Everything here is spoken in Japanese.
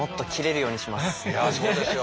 いやそうですよ。